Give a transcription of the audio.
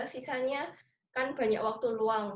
sisanya kan banyak waktu luang